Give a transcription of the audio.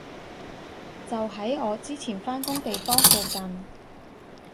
就喺我之前返工地方附近